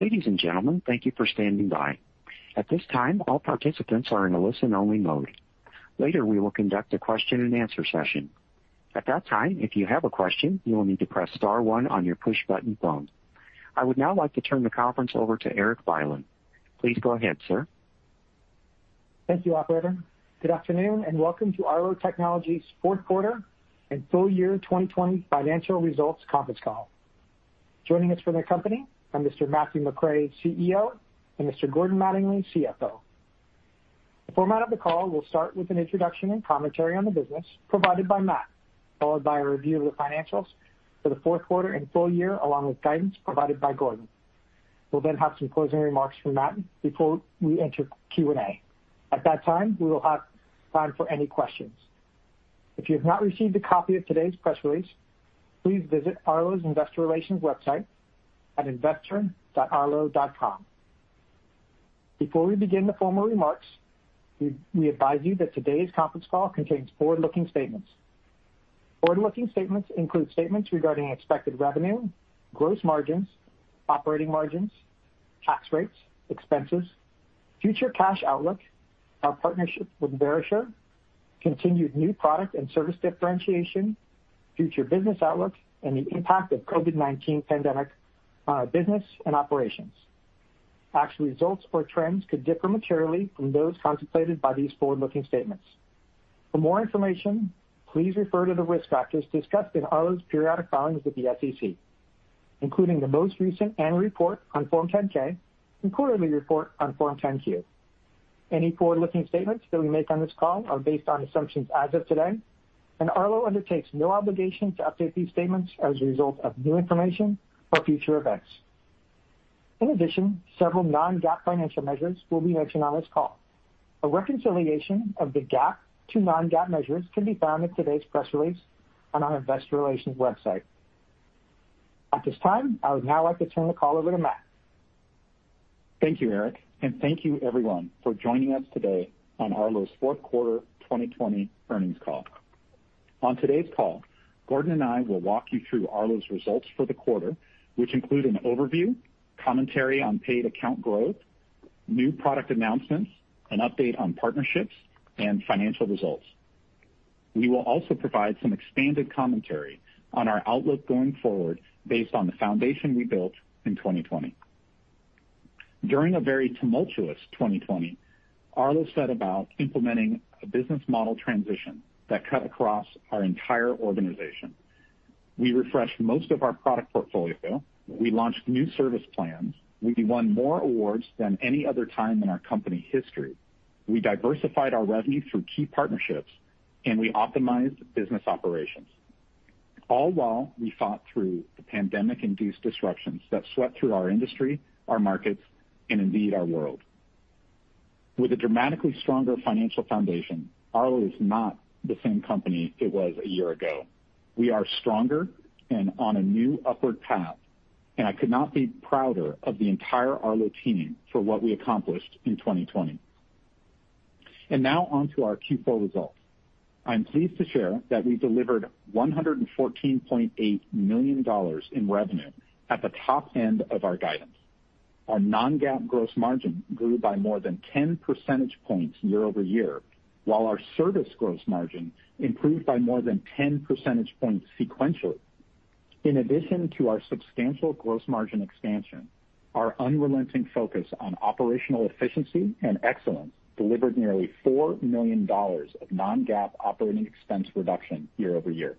Ladies and gentlemen, thank you for standing by. At this time, all participants are in a listen-only mode. Later, we will conduct a question and answer session. At that time, if you have a question, you will need to press star one on your push button phone. I would now like to turn the conference over to Erik Bylin. Please go ahead, sir. Thank you, operator. Good afternoon, and welcome to Arlo Technologies' fourth quarter and full year 2020 financial results conference call. Joining us from the company are Mr. Matthew McRae, CEO, and Mr. Gordon Mattingly, CFO. The format of the call will start with an introduction and commentary on the business provided by Matt, followed by a review of the financials for the fourth quarter and full year, along with guidance provided by Gordon. We'll then have some closing remarks from Matt before we enter Q&A. At that time, we will have time for any questions. If you have not received a copy of today's press release, please visit Arlo's Investor Relations website at investor.arlo.com. Before we begin the formal remarks, we advise you that today's conference call contains forward-looking statements. Forward-looking statements include statements regarding expected revenue, gross margins, operating margins, tax rates, expenses, future cash outlook, our partnership with Verisure, continued new product and service differentiation, future business outlook, and the impact of COVID-19 pandemic on our business and operations. Actual results or trends could differ materially from those contemplated by these forward-looking statements. For more information, please refer to the risk factors discussed in Arlo's periodic filings with the SEC, including the most recent annual report on Form 10-K and quarterly report on Form 10-Q. Any forward-looking statements that we make on this call are based on assumptions as of today, and Arlo undertakes no obligation to update these statements as a result of new information or future events. In addition, several non-GAAP financial measures will be mentioned on this call. A reconciliation of the GAAP to non-GAAP measures can be found in today's press release on our Investor Relations website. At this time, I would now like to turn the call over to Matt. Thank you, Erik, and thank you everyone for joining us today on Arlo's fourth quarter 2020 earnings call. On today's call, Gordon and I will walk you through Arlo's results for the quarter, which include an overview, commentary on paid account growth, new product announcements, an update on partnerships, and financial results. We will also provide some expanded commentary on our outlook going forward based on the foundation we built in 2020. During a very tumultuous 2020, Arlo set about implementing a business model transition that cut across our entire organization. We refreshed most of our product portfolio. We launched new service plans. We won more awards than any other time in our company history. We diversified our revenue through key partnerships, and we optimized business operations, all while we fought through the pandemic-induced disruptions that swept through our industry, our markets, and indeed, our world. With a dramatically stronger financial foundation, Arlo is not the same company it was a year ago. We are stronger and on a new upward path, and I could not be prouder of the entire Arlo team for what we accomplished in 2020. Now on to our Q4 results. I'm pleased to share that we delivered $114.8 million in revenue at the top end of our guidance. Our non-GAAP gross margin grew by more than 10 percentage points year-over-year, while our service gross margin improved by more than 10 percentage points sequentially. In addition to our substantial gross margin expansion, our unrelenting focus on operational efficiency and excellence delivered nearly $4 million of non-GAAP operating expense reduction year-over-year.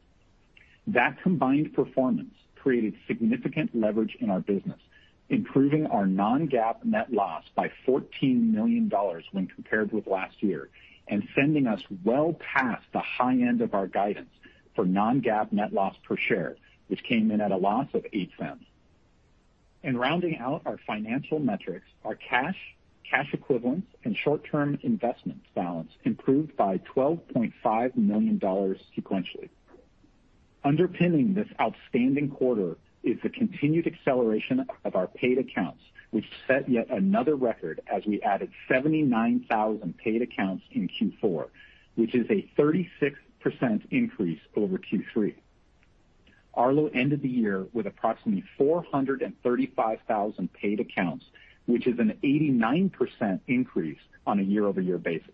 That combined performance created significant leverage in our business, improving our non-GAAP net loss by $14 million when compared with last year and sending us well past the high end of our guidance for non-GAAP net loss per share, which came in at a loss of $0.08. In rounding out our financial metrics, our cash equivalents, and short-term investment balance improved by $12.5 million sequentially. Underpinning this outstanding quarter is the continued acceleration of our paid accounts, which set yet another record as we added 79,000 paid accounts in Q4, which is a 36% increase over Q3. Arlo ended the year with approximately 435,000 paid accounts, which is an 89% increase on a year-over-year basis,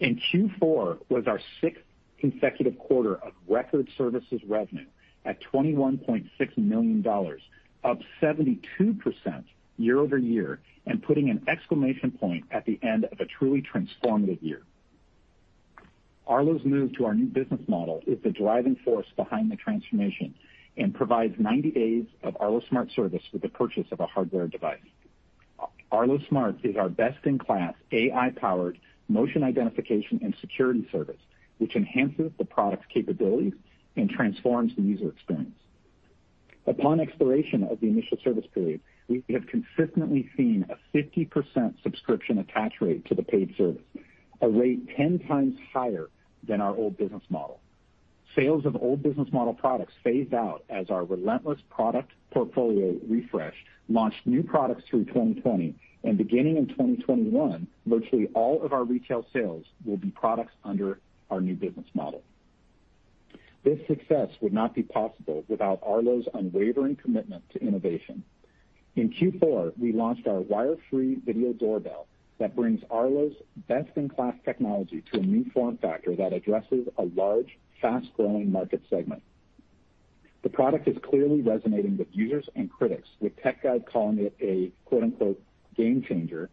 and Q4 was our sixth consecutive quarter of record services revenue at $21.6 million, up 72% year-over-year and putting an exclamation point at the end of a truly transformative year. Arlo's move to our new business model is the driving force behind the transformation and provides 90 days of Arlo Smart service with the purchase of a hardware device. Arlo Smart is our best-in-class AI-powered motion identification and security service, which enhances the product's capabilities and transforms the user experience. Upon expiration of the initial service period, we have consistently seen a 50% subscription attach rate to the paid service, a rate 10 times higher than our old business model. Sales of old business model products phased out as our relentless product portfolio refresh launched new products through 2020, and beginning in 2021, virtually all of our retail sales will be products under our new business model. This success would not be possible without Arlo's unwavering commitment to innovation. In Q4, we launched our wire-free video doorbell that brings Arlo's best-in-class technology to a new form factor that addresses a large, fast-growing market segment. The product is clearly resonating with users and critics, with TechGuide calling it a "game changer"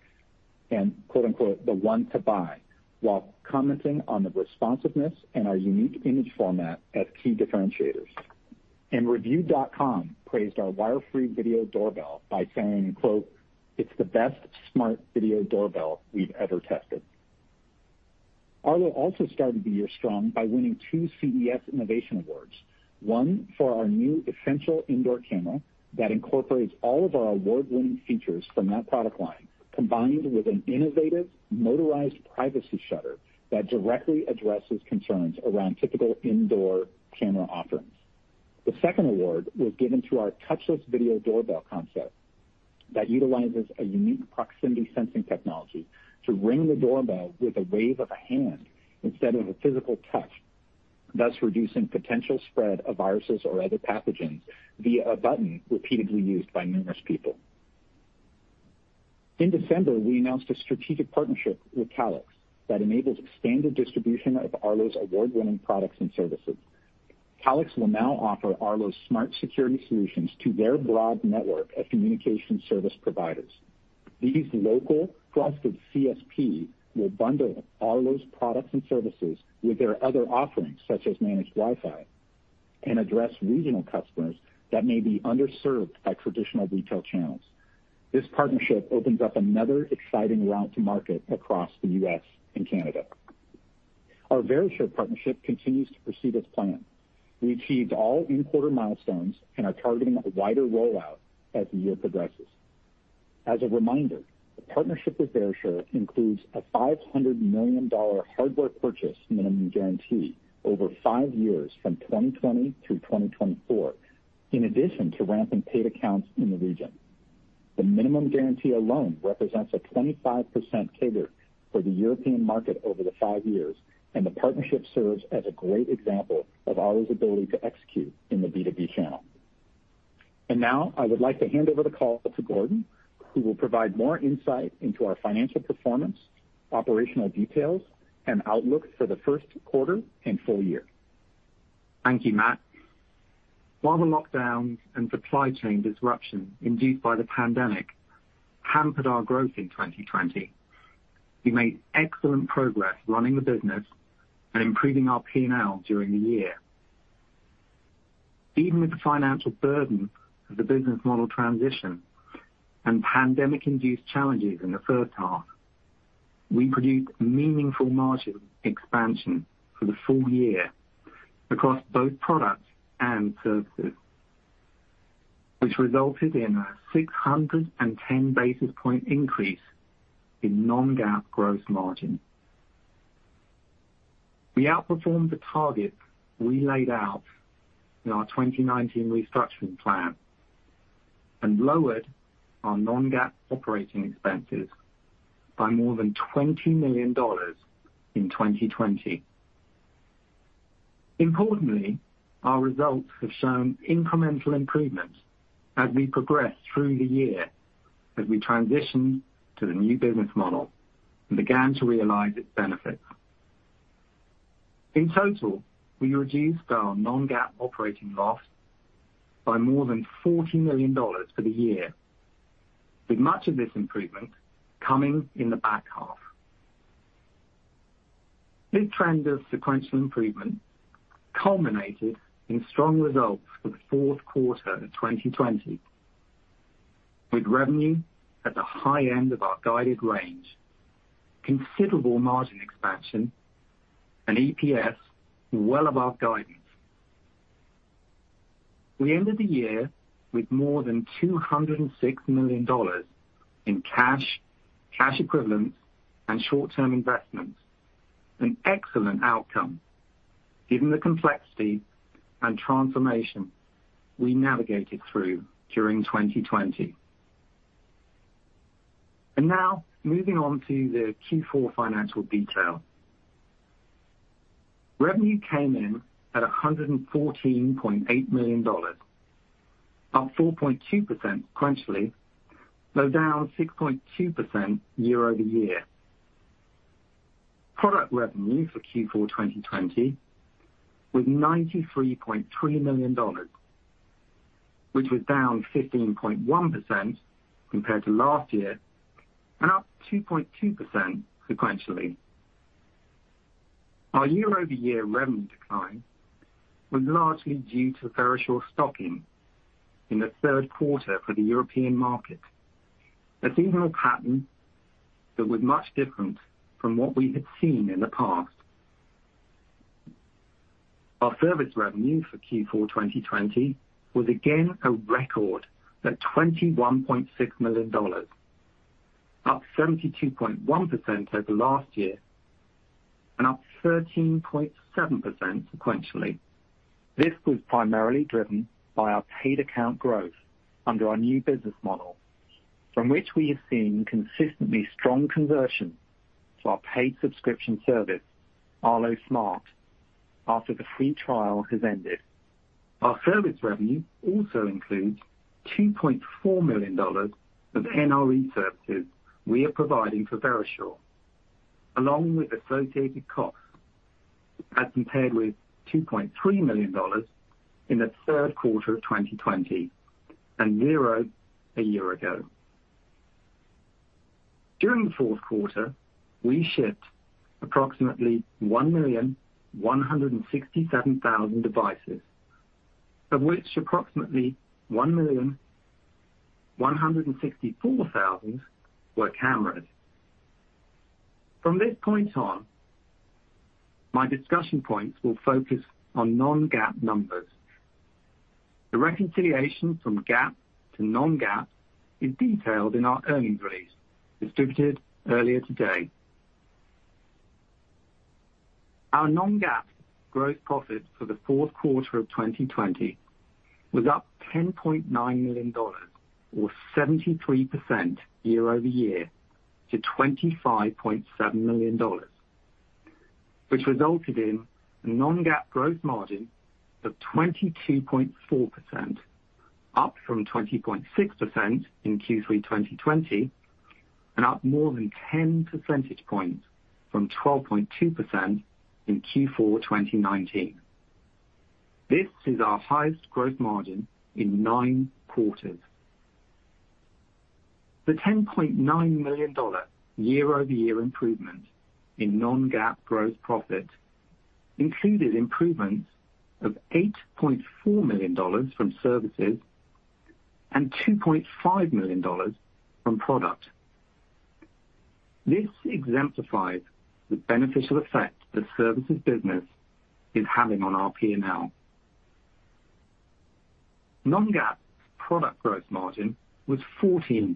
and "the one to buy," while commenting on the responsiveness and our unique image format as key differentiators. Reviewed.com praised our wire-free video doorbell by saying, "It's the best smart video doorbell we've ever tested." Arlo also started the year strong by winning two CES Innovation awards, one for our new Essential Indoor Camera that incorporates all of our award-winning features from that product line, combined with an innovative motorized privacy shutter that directly addresses concerns around typical indoor camera offerings. The second award was given to our touchless video doorbell concept that utilizes a unique proximity sensing technology to ring the doorbell with a wave of a hand instead of a physical touch, thus reducing potential spread of viruses or other pathogens via a button repeatedly used by numerous people. In December, we announced a strategic partnership with Calix that enables expanded distribution of Arlo's award-winning products and services. Calix will now offer Arlo's smart security solutions to their broad network of communication service providers. These local trusted CSP will bundle Arlo's products and services with their other offerings, such as managed Wi-Fi, and address regional customers that may be underserved by traditional retail channels. This partnership opens up another exciting route to market across the U.S. and Canada. Our Verisure partnership continues to proceed as planned. We achieved all in-quarter milestones and are targeting a wider rollout as the year progresses. As a reminder, the partnership with Verisure includes a $500 million hardware purchase minimum guarantee over five years from 2020 to 2024, in addition to ramping paid accounts in the region. The minimum guarantee alone represents a 25% tail for the European market over the five years, and the partnership serves as a great example of Arlo's ability to execute in the B2B channel. Now, I would like to hand over the call to Gordon, who will provide more insight into our financial performance, operational details, and outlook for the first quarter and full year. Thank you, Matt. While the lockdowns and supply chain disruption induced by the pandemic hampered our growth in 2020, we made excellent progress running the business and improving our P&L during the year. Even with the financial burden of the business model transition and pandemic-induced challenges in the first half, we produced meaningful margin expansion for the full year across both products and services, which resulted in a 610 basis point increase in non-GAAP gross margin. We outperformed the targets we laid out in our 2019 restructuring plan and lowered our non-GAAP operating expenses by more than $20 million in 2020. Importantly, our results have shown incremental improvements as we progress through the year, as we transition to the new business model and began to realize its benefits. In total, we reduced our non-GAAP operating loss by more than $40 million for the year, with much of this improvement coming in the back half. This trend of sequential improvement culminated in strong results for the fourth quarter of 2020, with revenue at the high end of our guided range, considerable margin expansion, and EPS well above guidance. We ended the year with more than $206 million in cash equivalents, and short-term investments, an excellent outcome given the complexity and transformation we navigated through during 2020. Now moving on to the Q4 financial detail. Revenue came in at $114.8 million, up 4.2% sequentially, though down 6.2% year-over-year. Product revenue for Q4 2020 was $93.3 million, which was down 15.1% compared to last year and up 2.2% sequentially. Our year-over-year revenue decline was largely due to Verisure stocking in the third quarter for the European market. A seasonal pattern that was much different from what we had seen in the past. Our service revenue for Q4 2020 was again a record at $21.6 million, up 72.1% over last year and up 13.7% sequentially. This was primarily driven by our paid account growth under our new business model, from which we have seen consistently strong conversion to our paid subscription service, Arlo Secure, after the free trial has ended. Our service revenue also includes $2.4 million of NRE services we are providing for Verisure, along with associated costs, as compared with $2.3 million in the third quarter of 2020, and zero a year ago. During the fourth quarter, we shipped approximately 1,167,000 devices, of which approximately 1,164,000 were cameras. From this point on, my discussion points will focus on non-GAAP numbers. The reconciliation from GAAP to non-GAAP is detailed in our earnings release distributed earlier today. Our non-GAAP gross profit for the fourth quarter of 2020 was up $10.9 million, or 73% year-over-year, to $25.7 million, which resulted in a non-GAAP gross margin of 22.4%, up from 20.6% in Q3 2020, and up more than 10 percentage points from 12.2% in Q4 2019. This is our highest gross margin in nine quarters. The $10.9 million year-over-year improvement in non-GAAP gross profit included improvements of $8.4 million from services and $2.5 million from product. This exemplifies the beneficial effect the services business is having on our P&L. Non-GAAP product gross margin was 14%,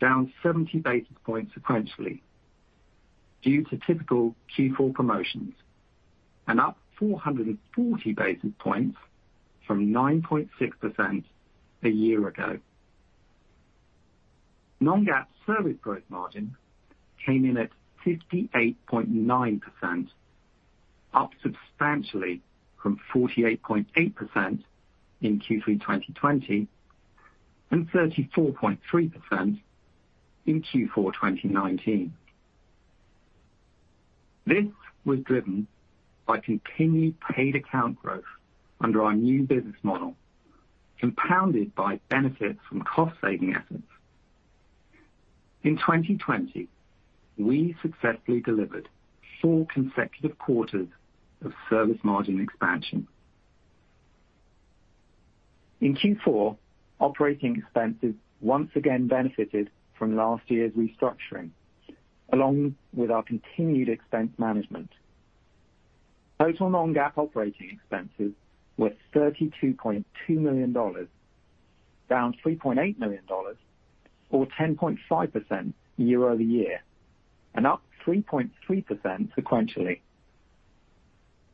down 70 basis points sequentially, due to typical Q4 promotions, and up 440 basis points from 9.6% a year ago. Non-GAAP service gross margin came in at 58.9%, up substantially from 48.8% in Q3 2020, and 34.3% in Q4 2019. This was driven by continued paid account growth under our new business model, compounded by benefits from cost saving efforts. In 2020, we successfully delivered four consecutive quarters of service margin expansion. In Q4, operating expenses once again benefited from last year's restructuring, along with our continued expense management. Total non-GAAP operating expenses were $32.2 million, down $3.8 million or 10.5% year-over-year, and up 3.3% sequentially.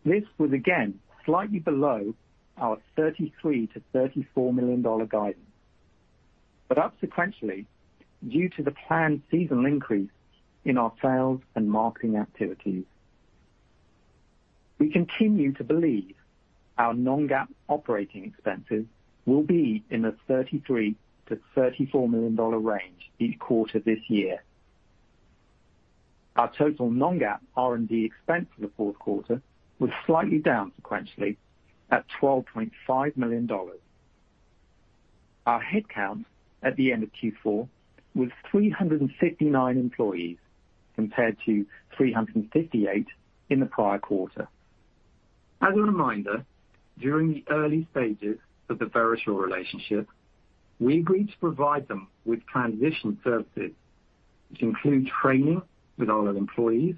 This was again slightly below our $33 million-$34 million guidance. Up sequentially due to the planned seasonal increase in our sales and marketing activities. We continue to believe our non-GAAP operating expenses will be in the $33 million-$34 million range each quarter this year. Our total non-GAAP R&D expense for the fourth quarter was slightly down sequentially at $12.5 million. Our head count at the end of Q4 was 359 employees, compared to 358 in the prior quarter. As a reminder, during the early stages of the Verisure relationship, we agreed to provide them with transition services, which include training with Arlo employees,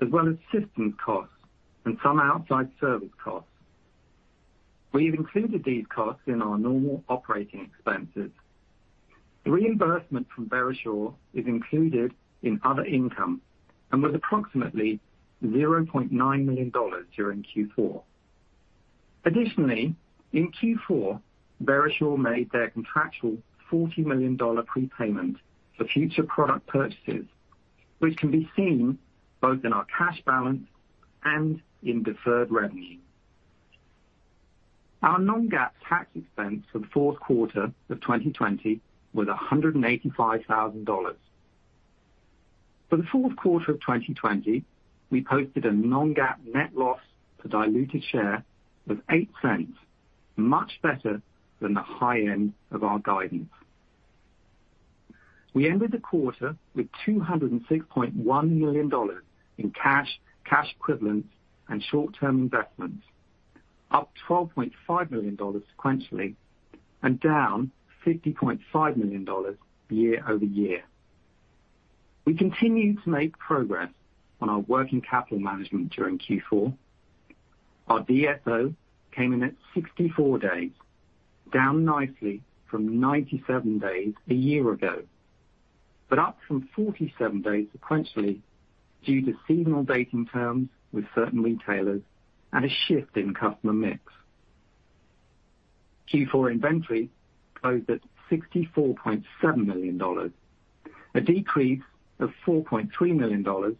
as well as system costs and some outside service costs. We have included these costs in our normal operating expenses. The reimbursement from Verisure is included in other income, and was approximately $0.9 million during Q4. Additionally, in Q4, Verisure made their contractual $40 million prepayment for future product purchases, which can be seen both in our cash balance and in deferred revenue. Our non-GAAP tax expense for the fourth quarter of 2020 was $185,000. For the fourth quarter of 2020, we posted a non-GAAP net loss per diluted share of $0.08, much better than the high end of our guidance. We ended the quarter with $206.1 million in cash equivalents, and short-term investments, up $12.5 million sequentially, and down $50.5 million year-over-year. We continue to make progress on our working capital management during Q4. Our DSO came in at 64 days, down nicely from 97 days a year ago. Up from 47 days sequentially, due to seasonal dating terms with certain retailers and a shift in customer mix. Q4 inventory closed at $64.7 million, a decrease of $4.3 million over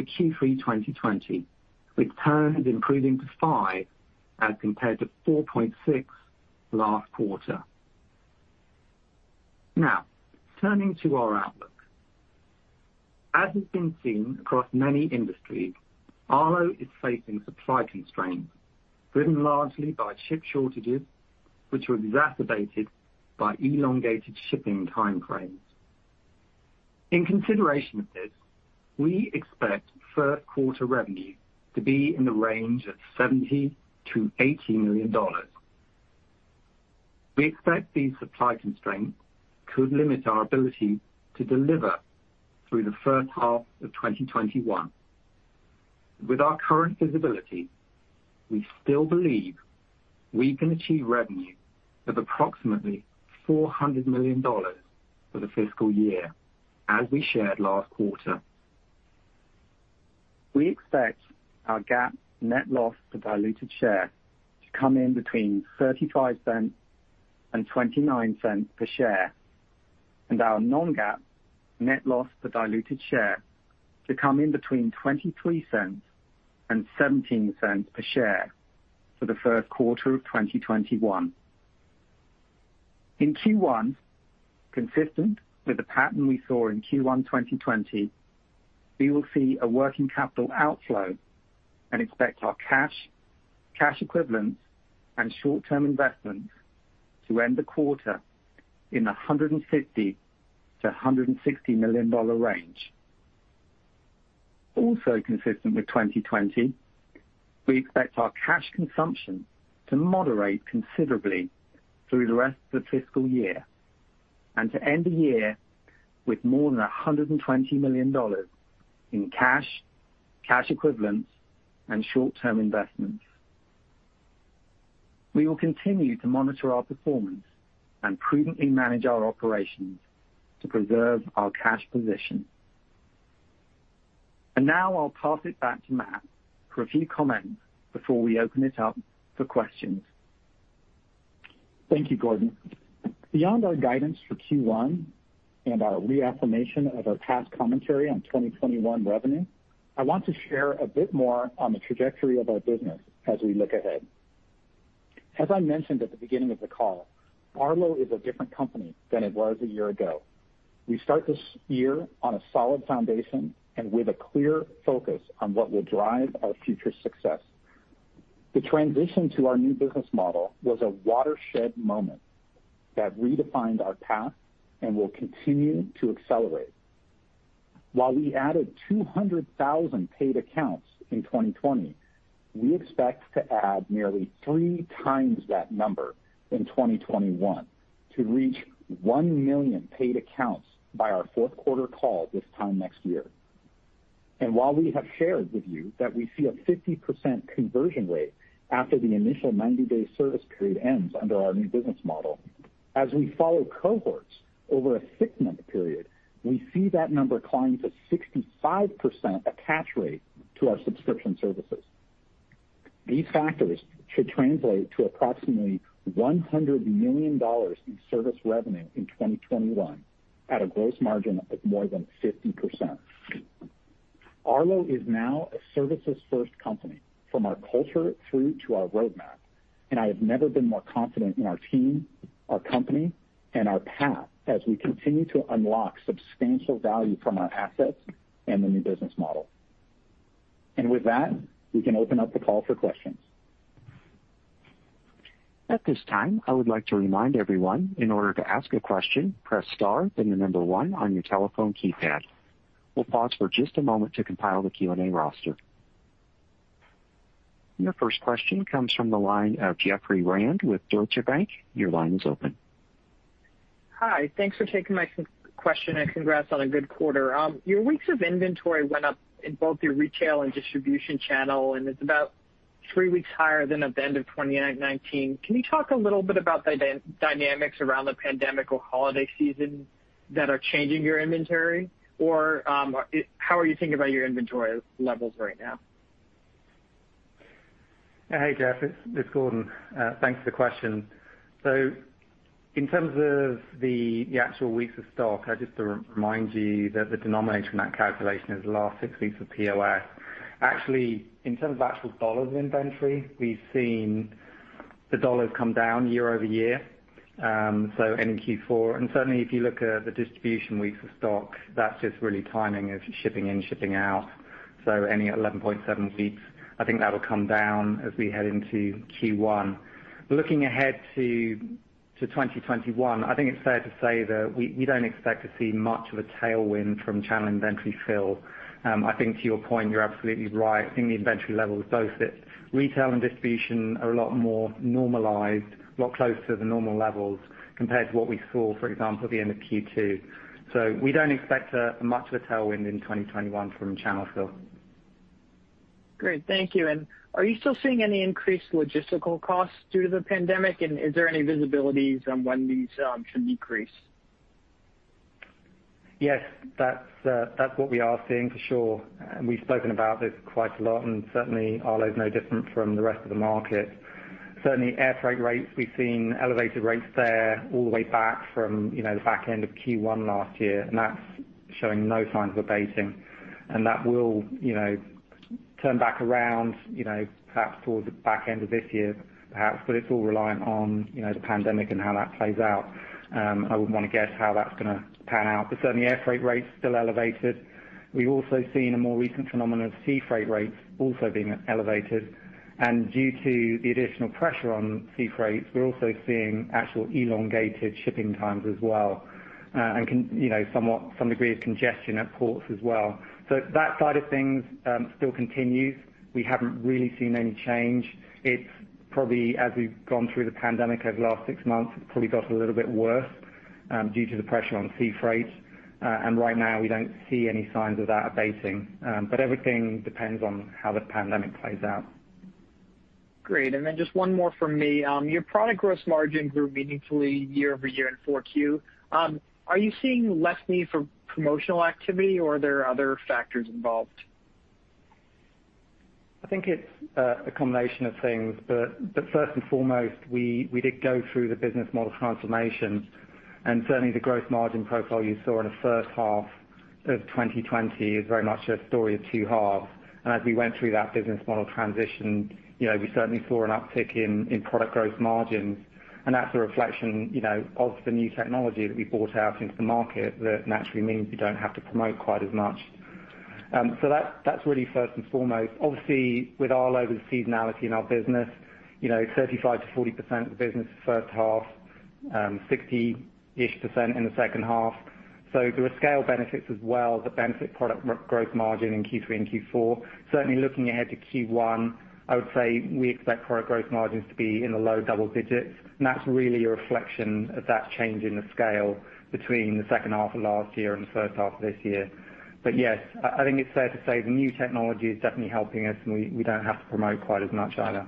Q3 2020, with turns increasing to five as compared to 4.6 last quarter. Now, turning to our outlook. As has been seen across many industries, Arlo is facing supply constraints driven largely by chip shortages, which are exacerbated by elongated shipping time frames. In consideration of this, we expect first quarter revenue to be in the range of $70 million-$80 million. We expect these supply constraints could limit our ability to deliver through the first half of 2021. With our current visibility, we still believe we can achieve revenue of approximately $400 million for the fiscal year, as we shared last quarter. We expect our GAAP net loss per diluted share to come in between $0.35 and $0.29 per share, and our non-GAAP net loss per diluted share to come in between $0.23 and $0.17 per share for the first quarter of 2021. In Q1, consistent with the pattern we saw in Q1 2020, we will see a working capital outflow and expect our cash equivalents, and short-term investments to end the quarter in $150 million-$160 million range. Also consistent with 2020, we expect our cash consumption to moderate considerably through the rest of the fiscal year, and to end the year with more than $120 million in cash equivalents, and short-term investments. We will continue to monitor our performance and prudently manage our operations to preserve our cash position. Now I'll pass it back to Matt for a few comments before we open it up for questions. Thank you, Gordon. Beyond our guidance for Q1 and our reaffirmation of our past commentary on 2021 revenue, I want to share a bit more on the trajectory of our business as we look ahead. As I mentioned at the beginning of the call, Arlo is a different company than it was a year ago. We start this year on a solid foundation and with a clear focus on what will drive our future success. The transition to our new business model was a watershed moment that redefined our path and will continue to accelerate. While we added 200,000 paid accounts in 2020, we expect to add nearly three times that number in 2021 to reach 1 million paid accounts by our fourth quarter call this time next year. While we have shared with you that we see a 50% conversion rate after the initial 90-day service period ends under our new business model, as we follow cohorts over a six-month period, we see that number climb to 65% attach rate to our subscription services. These factors should translate to approximately $100 million in service revenue in 2021, at a gross margin of more than 50%. Arlo is now a services-first company from our culture through to our roadmap, and I have never been more confident in our team, our company, and our path as we continue to unlock substantial value from our assets and the new business model. With that, we can open up the call for questions. Your first question comes from the line of Jeffrey Rand with Deutsche Bank. Hi. Thanks for taking my question and congrats on a good quarter. Your weeks of inventory went up in both your retail and distribution channel, and it's about three weeks higher than at the end of 2019. Can you talk a little bit about the dynamics around the pandemic or holiday season that are changing your inventory? How are you thinking about your inventory levels right now? Hey, Jeff. It's Gordon. Thanks for the question. In terms of the actual weeks of stock, I just remind you that the denominator in that calculation is the last six weeks of POS. Actually, in terms of actual dollars of inventory, we've seen the dollars come down year-over-year. Any Q4, and certainly if you look at the distribution weeks of stock, that's just really timing of shipping in, shipping out. Any 11.7 weeks, I think that'll come down as we head into Q1. Looking ahead to 2021, I think it's fair to say that we don't expect to see much of a tailwind from channel inventory fill. I think to your point, you're absolutely right. I think the inventory levels both at retail and distribution are a lot more normalized, a lot closer to normal levels compared to what we saw, for example, at the end of Q2. We don't expect much of a tailwind in 2021 from channel fill. Great. Thank you. Are you still seeing any increased logistical costs due to the pandemic? Is there any visibility on when these should decrease? Yes. That's what we are seeing for sure. We've spoken about this quite a lot, and certainly Arlo is no different from the rest of the market. Certainly air freight rates, we've seen elevated rates there all the way back from the back end of Q1 last year, and that's showing no signs of abating. That will turn back around, perhaps towards the back end of this year, perhaps. It's all reliant on the pandemic and how that plays out. I wouldn't want to guess how that's going to pan out, but certainly air freight rates still elevated. We've also seen a more recent phenomenon of sea freight rates also being elevated. Due to the additional pressure on sea freight, we're also seeing actual elongated shipping times as well. Some degree of congestion at ports as well. That side of things still continues. We haven't really seen any change. It's probably as we've gone through the pandemic over the last six months, it's probably gotten a little bit worse due to the pressure on sea freight. Right now, we don't see any signs of that abating. Everything depends on how the pandemic plays out. Great, just one more from me. Your product gross margins grew meaningfully year-over-year in 4Q. Are you seeing less need for promotional activity or are there other factors involved? I think it's a combination of things, first and foremost, we did go through the business model transformation, and certainly the gross margin profile you saw in the first half of 2020 is very much a story of two halves. As we went through that business model transition, we certainly saw an uptick in product gross margin. That's a reflection of the new technology that we brought out into the market that naturally means we don't have to promote quite as much. That's really first and foremost. Obviously, with Arlo, there's seasonality in our business, 35%-40% of the business is first half, 60-ish% in the second half. There are scale benefits as well that benefit product gross margin in Q3 and Q4. Certainly looking ahead to Q1, I would say we expect product growth margins to be in the low double digits, and that's really a reflection of that change in the scale between the second half of last year and the first half of this year. Yes, I think it's fair to say the new technology is definitely helping us, and we don't have to promote quite as much either.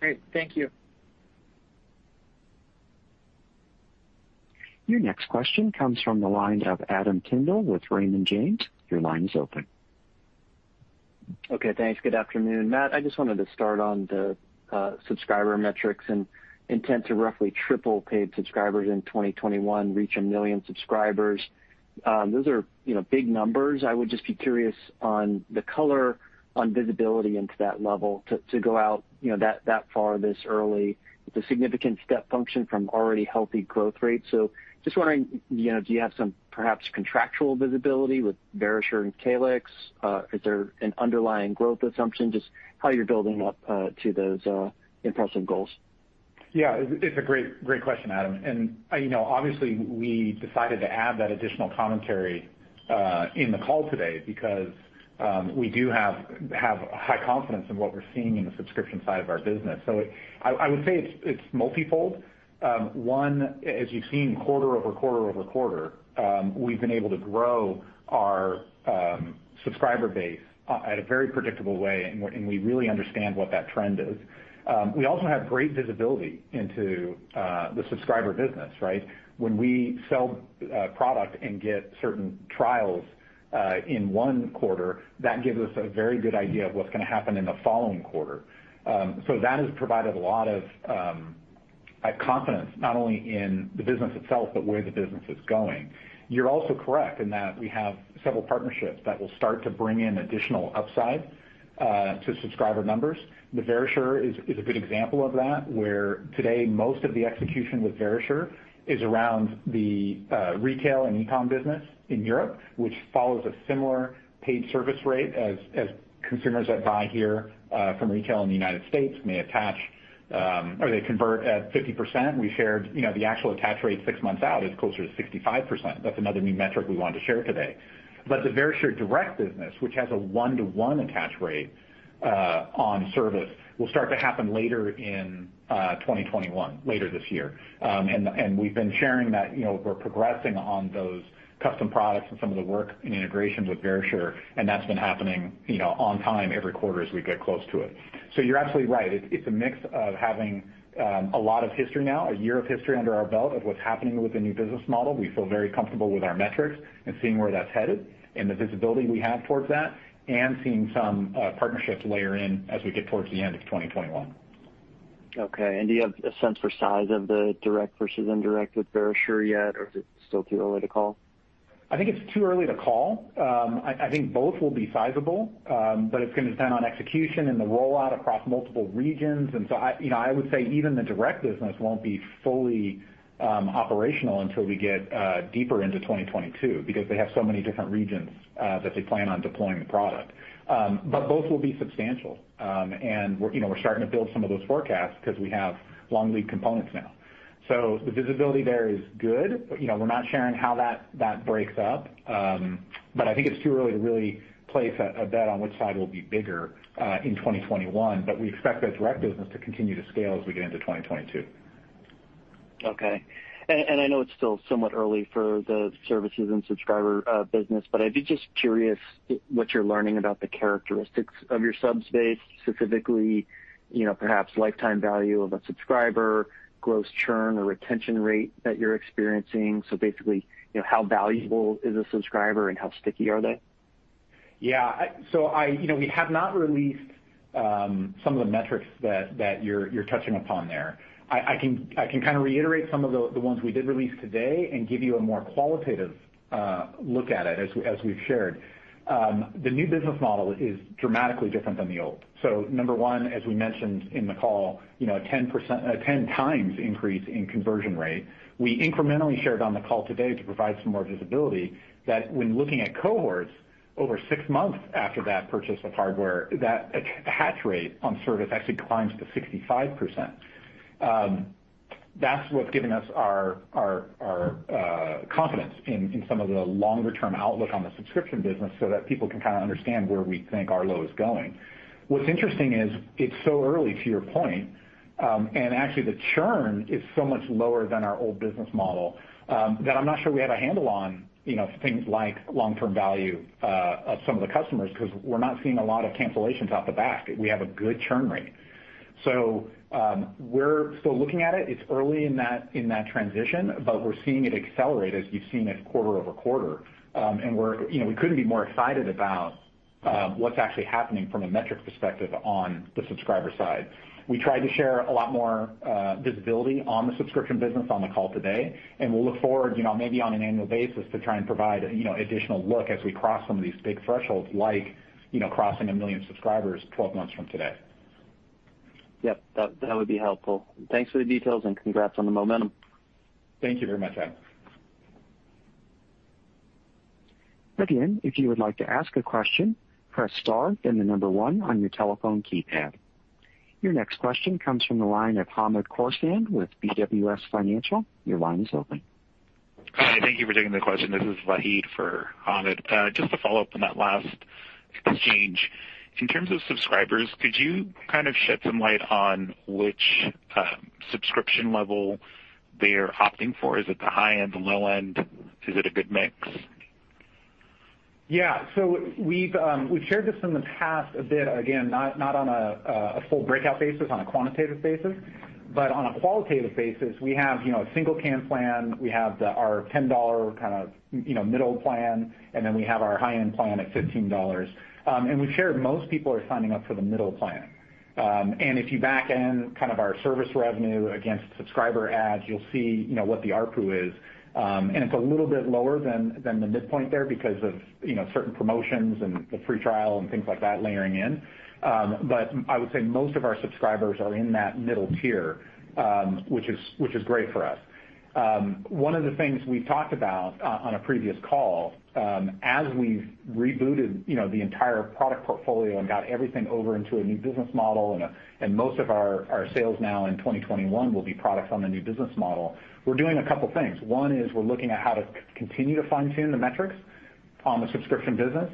Great. Thank you. Your next question comes from the line of Adam Tindle with Raymond James. Okay, thanks. Good afternoon. Matt, I just wanted to start on the subscriber metrics and intent to roughly triple paid subscribers in 2021, reach a million subscribers. Those are big numbers. I would just be curious on the color on visibility into that level to go out that far this early. It's a significant step function from already healthy growth rates. Just wondering, do you have some perhaps contractual visibility with Verisure and Calix? Is there an underlying growth assumption? Just how you're building up to those impressive goals. Yeah, it's a great question, Adam. Obviously we decided to add that additional commentary in the call today because we do have high confidence in what we're seeing in the subscription side of our business. I would say it's multifold. One, as you've seen quarter over quarter over quarter, we've been able to grow our subscriber base at a very predictable way, and we really understand what that trend is. We also have great visibility into the subscriber business, right? When we sell product and get certain trials in one quarter, that gives us a very good idea of what's going to happen in the following quarter. That has provided a lot of confidence, not only in the business itself, but where the business is going. You're also correct in that we have several partnerships that will start to bring in additional upside to subscriber numbers. The Verisure is a good example of that, where today most of the execution with Verisure is around the retail and e-com business in Europe, which follows a similar paid service rate as consumers that buy here from retail in the U.S. may attach or they convert at 50%. We shared the actual attach rate six months out is closer to 65%. That's another new metric we wanted to share today. The Verisure direct business, which has a one-to-one attach rate on service, will start to happen later in 2021, later this year. We've been sharing that we're progressing on those custom products and some of the work and integrations with Verisure, and that's been happening on time every quarter as we get close to it. You're absolutely right. It's a mix of having a lot of history now, a year of history under our belt of what's happening with the new business model. We feel very comfortable with our metrics and seeing where that's headed and the visibility we have towards that and seeing some partnerships layer in as we get towards the end of 2021. Okay. Do you have a sense for size of the direct versus indirect with Verisure yet or is it still too early to call? I think it's too early to call. I think both will be sizable. It's going to depend on execution and the rollout across multiple regions. I would say even the direct business won't be fully operational until we get deeper into 2022 because they have so many different regions that they plan on deploying the product. Both will be substantial. We're starting to build some of those forecasts because we have long lead components now. The visibility there is good. We're not sharing how that breaks up. I think it's too early to really place a bet on which side will be bigger in 2021. We expect that direct business to continue to scale as we get into 2022. Okay. I know it's still somewhat early for the services and subscriber business, but I'd be just curious what you're learning about the characteristics of your sub base, specifically, perhaps lifetime value of a subscriber, gross churn or retention rate that you're experiencing. Basically, how valuable is a subscriber and how sticky are they? Yeah. We have not released some of the metrics that you're touching upon there. I can reiterate some of the ones we did release today and give you a more qualitative look at it as we've shared. The new business model is dramatically different than the old. Number one, as we mentioned in the call, a 10 times increase in conversion rate. We incrementally shared on the call today to provide some more visibility, that when looking at cohorts over six months after that purchase of hardware, that ttacthatch rate on service actually climbs to 65%. That's what's given us our confidence in some of the longer-term outlook on the subscription business so that people can understand where we think Arlo is going. What's interesting is it's so early, to your point, and actually the churn is so much lower than our old business model, that I'm not sure we have a handle on things like long-term value of some of the customers because we're not seeing a lot of cancellations off the bat. We have a good churn rate. We're still looking at it. It's early in that transition, but we're seeing it accelerate as you've seen it quarter-over-quarter. We couldn't be more excited about what's actually happening from a metrics perspective on the subscriber side. We tried to share a lot more visibility on the subscription business on the call today, and we'll look forward, maybe on an annual basis, to try and provide additional look as we cross some of these big thresholds like crossing 1 million subscribers 12 months from today. Yep. That would be helpful. Thanks for the details and congrats on the momentum. Thank you very much, Adam. Again, if you would like to ask a question, press star, then the number 1 on your telephone keypad. Your next question comes from the line of Hamed Khorsand with BWS Financial. Your line is open. Hi, thank you for taking the question. This is Vahid for Hamed. Just to follow up on that last exchange. In terms of subscribers, could you shed some light on which subscription level they are opting for? Is it the high end, the low end? Is it a good mix? Yeah. We've shared this in the past a bit, again, not on a full breakout basis, on a quantitative basis, but on a qualitative basis, we have a single cam plan, we have our $10 middle plan, and then we have our high-end plan at $15. We've shared most people are signing up for the middle plan. If you back in our service revenue against subscriber adds, you'll see what the ARPU is. It's a little bit lower than the midpoint there because of certain promotions and the free trial and things like that layering in. I would say most of our subscribers are in that middle tier, which is great for us. One of the things we talked about on a previous call, as we've rebooted the entire product portfolio and got everything over into a new business model and most of our sales now in 2021 will be products on the new business model, we're doing a couple things. One is we're looking at how to continue to fine-tune the metrics on the subscription business,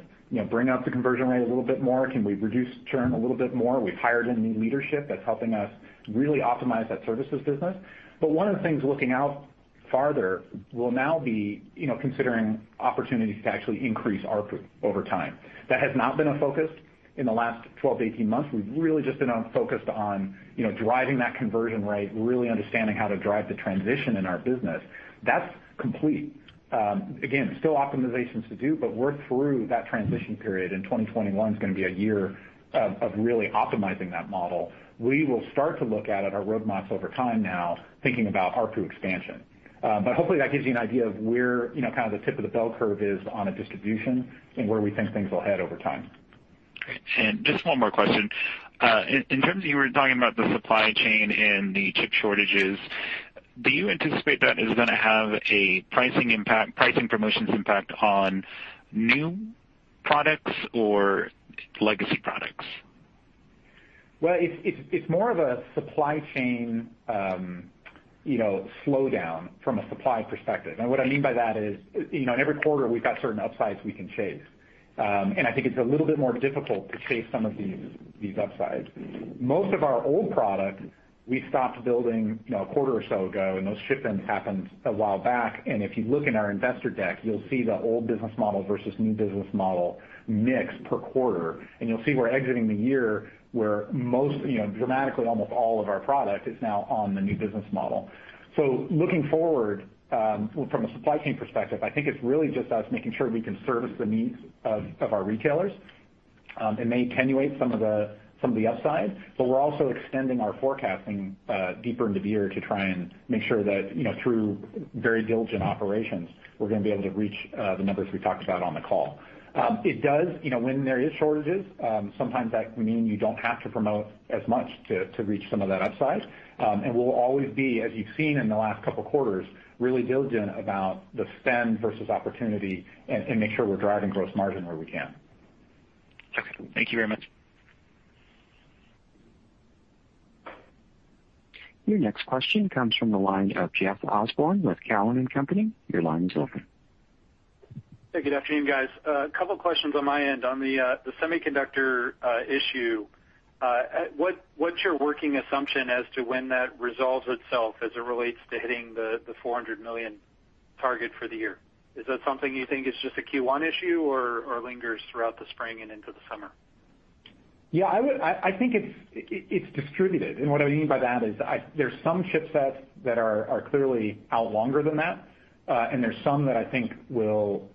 bring up the conversion rate a little bit more. Can we reduce churn a little bit more? We've hired a new leadership that's helping us really optimize that services business. One of the things looking out farther will now be considering opportunities to actually increase ARPU over time. That has not been a focus in the last 12 to 18 months. We've really just been focused on driving that conversion rate, really understanding how to drive the transition in our business. That's complete. Again, still optimizations to do, but we're through that transition period, and 2021 is going to be a year of really optimizing that model. We will start to look at it, our roadmaps over time now, thinking about ARPU expansion. Hopefully that gives you an idea of where the tip of the bell curve is on a distribution and where we think things will head over time. Just one more question. In terms of you were talking about the supply chain and the chip shortages, do you anticipate that is going to have a pricing promotions impact on new products or legacy products? Well, it's more of a supply chain slowdown from a supply perspective. What I mean by that is, in every quarter, we've got certain upsides we can chase. I think it's a little bit more difficult to chase some of these upsides. Most of our old product, we stopped building a quarter or so ago, and those ship-ins happened a while back. If you look in our investor deck, you'll see the old business model versus new business model mix per quarter. You'll see we're exiting the year where most, dramatically almost all of our product is now on the new business model. Looking forward from a supply chain perspective, I think it's really just us making sure we can service the needs of our retailers. It may attenuate some of the upside, but we're also extending our forecasting deeper into the year to try and make sure that through very diligent operations, we're going to be able to reach the numbers we talked about on the call. When there is shortages, sometimes that can mean you don't have to promote as much to reach some of that upside. We'll always be, as you've seen in the last couple quarters, really diligent about the spend versus opportunity and make sure we're driving gross margin where we can. Okay. Thank you very much. Your next question comes from the line of Jeff Osborne with Cowen and Company. Your line is open. Hey, good afternoon, guys. A couple questions on my end. On the semiconductor issue, what's your working assumption as to when that resolves itself as it relates to hitting the $400 million target for the year? Is that something you think is just a Q1 issue, or lingers throughout the spring and into the summer? Yeah, I think it's distributed. What I mean by that is there's some chipsets that are clearly out longer than that, and there's some that I think will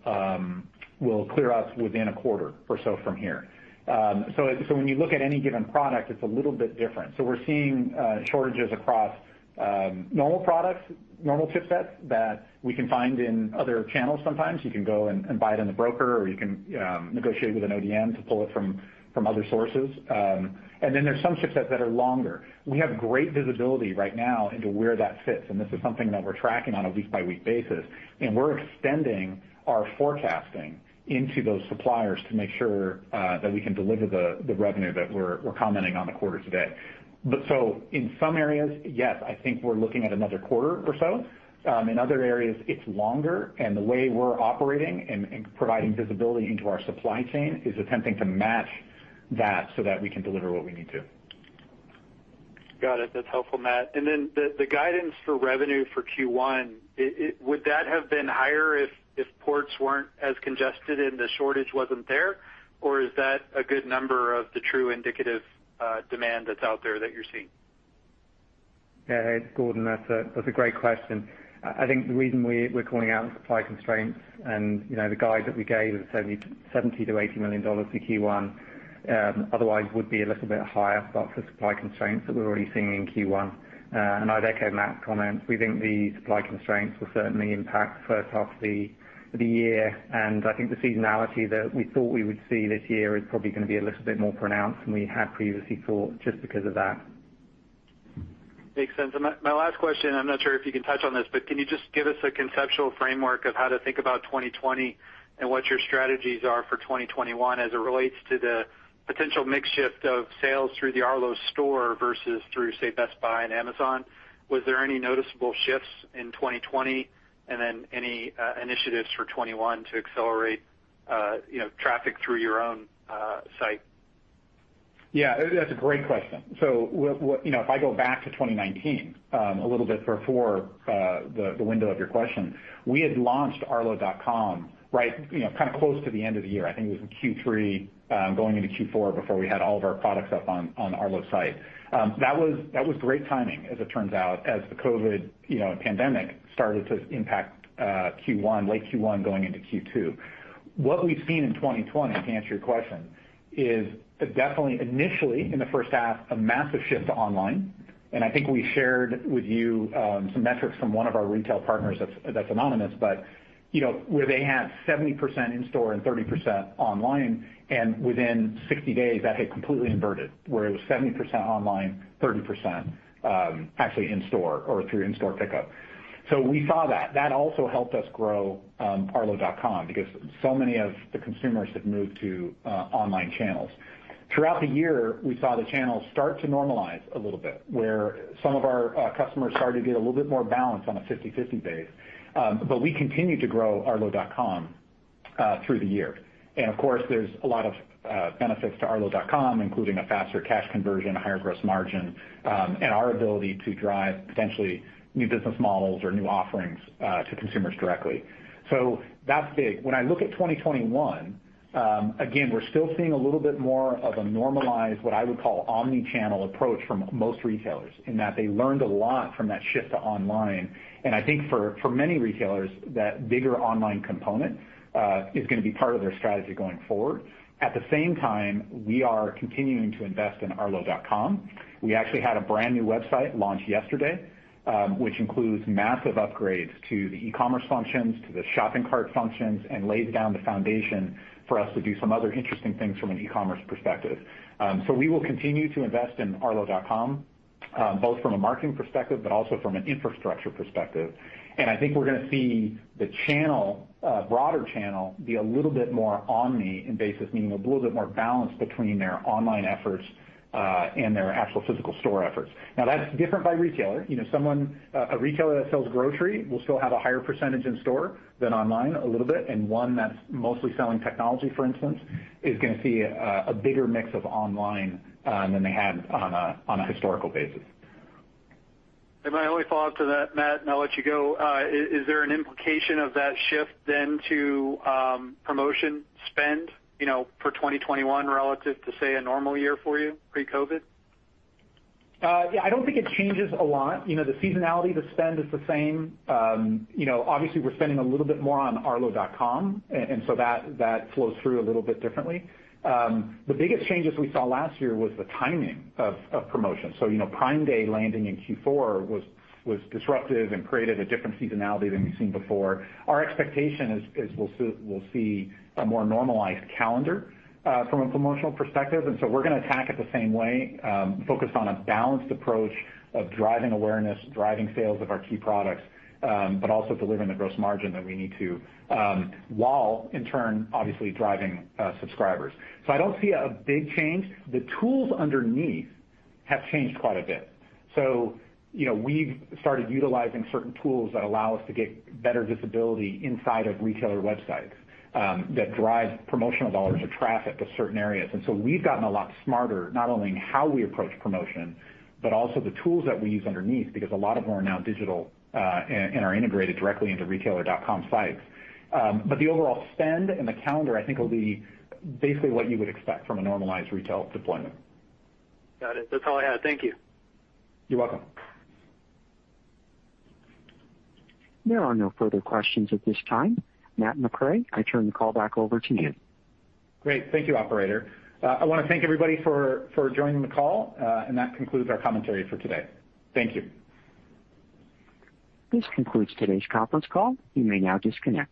clear out within a quarter or so from here. When you look at any given product, it's a little bit different. We're seeing shortages across normal products, normal chipsets, that we can find in other channels sometimes. You can go and buy it in the broker, or you can negotiate with an ODM to pull it from other sources. Then there's some chipsets that are longer. We have great visibility right now into where that sits, and this is something that we're tracking on a week-by-week basis, and we're extending our forecasting into those suppliers to make sure that we can deliver the revenue that we're commenting on the quarter today. In some areas, yes, I think we're looking at another quarter or so. In other areas, it's longer, and the way we're operating and providing visibility into our supply chain is attempting to match that so that we can deliver what we need to. Got it. That's helpful, Matt. The guidance for revenue for Q1, would that have been higher if ports weren't as congested and the shortage wasn't there? Or is that a good number of the true indicative demand that's out there that you're seeing? Yeah, it's Gordon, that's a great question. I think the reason we're calling out supply constraints and the guide that we gave of $70 million-$80 million for Q1 otherwise would be a little bit higher, but for supply constraints that we're already seeing in Q1. I'd echo Matt's comment. We think the supply constraints will certainly impact the first half of the year, and I think the seasonality that we thought we would see this year is probably going to be a little bit more pronounced than we had previously thought just because of that. Makes sense. My last question, I'm not sure if you can touch on this, but can you just give us a conceptual framework of how to think about 2020 and what your strategies are for 2021 as it relates to the potential mix shift of sales through the Arlo store versus through, say, Best Buy and Amazon? Was there any noticeable shifts in 2020? Then any initiatives for 2021 to accelerate traffic through your own site? That's a great question. If I go back to 2019, a little bit before the window of your question, we had launched arlo.com close to the end of the year. I think it was in Q3, going into Q4 before we had all of our products up on Arlo's site. That was great timing as it turns out, as the COVID pandemic started to impact late Q1 going into Q2. What we've seen in 2020, to answer your question, is definitely initially in the first half, a massive shift to online, and I think we shared with you some metrics from one of our retail partners that's anonymous, but where they had 70% in store and 30% online, and within 60 days, that had completely inverted, where it was 70% online, 30% actually in store or through in-store pickup. That also helped us grow arlo.com because so many of the consumers had moved to online channels. Throughout the year, we saw the channels start to normalize a little bit, where some of our customers started to get a little bit more balance on a 50/50 base. We continued to grow arlo.com through the year. Of course, there's a lot of benefits to arlo.com, including a faster cash conversion, a higher gross margin, and our ability to drive potentially new business models or new offerings to consumers directly. That's big. When I look at 2021, again, we're still seeing a little bit more of a normalized, what I would call omnichannel approach from most retailers in that they learned a lot from that shift to online. I think for many retailers, that bigger online component is going to be part of their strategy going forward. At the same time, we are continuing to invest in arlo.com. We actually had a brand-new website launch yesterday, which includes massive upgrades to the e-commerce functions, to the shopping cart functions, and lays down the foundation for us to do some other interesting things from an e-commerce perspective. We will continue to invest in arlo.com, both from a marketing perspective, but also from an infrastructure perspective. I think we're going to see the broader channel be a little bit more omni in basis, meaning a little bit more balance between their online efforts, and their actual physical store efforts. Now, that's different by retailer. A retailer that sells grocery will still have a higher percentage in store than online a little bit, and one that's mostly selling technology, for instance, is going to see a bigger mix of online, than they had on a historical basis. My only follow-up to that, Matt, and I'll let you go. Is there an implication of that shift then to promotion spend for 2021 relative to, say, a normal year for you pre-COVID? Yeah, I don't think it changes a lot. The seasonality, the spend is the same. Obviously we're spending a little bit more on arlo.com, and so that flows through a little bit differently. The biggest changes we saw last year was the timing of promotions. Prime Day landing in Q4 was disruptive and created a different seasonality than we've seen before. Our expectation is we'll see a more normalized calendar from a promotional perspective, and so we're going to attack it the same way, focused on a balanced approach of driving awareness, driving sales of our key products, but also delivering the gross margin that we need to, while in turn, obviously driving subscribers. I don't see a big change. The tools underneath have changed quite a bit. We've started utilizing certain tools that allow us to get better visibility inside of retailer websites that drive promotional dollars or traffic to certain areas. We've gotten a lot smarter, not only in how we approach promotion, but also the tools that we use underneath, because a lot of them are now digital, and are integrated directly into retailer.com sites. The overall spend and the calendar, I think will be basically what you would expect from a normalized retail deployment. Got it. That's all I had. Thank you. You're welcome. There are no further questions at this time. Matt McRae, I turn the call back over to you. Great. Thank you, operator. I want to thank everybody for joining the call, and that concludes our commentary for today. Thank you. This concludes today's conference call. You may now disconnect.